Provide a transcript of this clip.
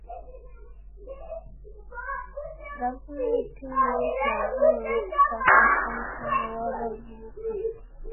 Gavumenti nnyiikaavu olw'okufa kwa kansala w'abavubuka.